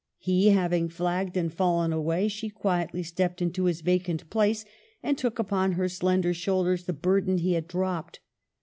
He having flagged and fallen away, she quietly stepped into his vacant place and took upon her slender shoulders the burden he had dropped.